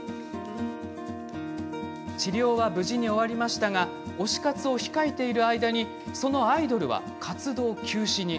治療は無事に終わりましたが推し活を控えている間にそのアイドルは活動休止に。